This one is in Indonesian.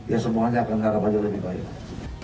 ya semuanya akan harapannya lebih baik